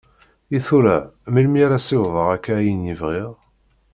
I tura melmi ara ssiwḍeɣ akka ayen i bɣiɣ?